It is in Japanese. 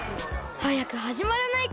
はやくはじまらないかな。